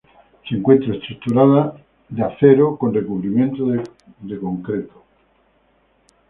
Se encuentra estructurada de acero con recubrimiento de concreto.